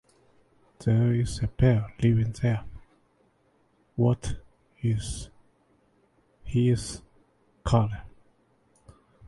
They tacked on "moco" which "rhymed with loco and sounded good".